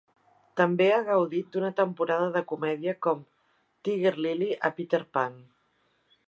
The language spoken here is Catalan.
També ha gaudit d'una temporada de comèdia com Tiger Lilly a "Peter Pan".